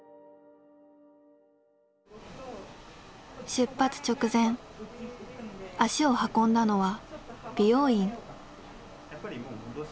出発直前足を運んだのは美容院。